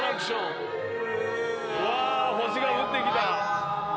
わぁ星が降ってきた。